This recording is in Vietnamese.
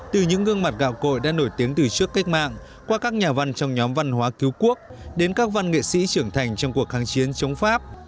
từ những gương mặt gạo cội đã nổi tiếng từ trước cách mạng qua các nhà văn trong nhóm văn hóa cứu quốc đến các văn nghệ sĩ trưởng thành trong cuộc kháng chiến chống pháp